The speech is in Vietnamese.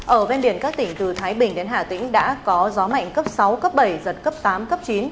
ở ven biển các tỉnh từ thái bình đến hà tĩnh đã có gió mạnh cấp sáu cấp bảy giật cấp tám cấp chín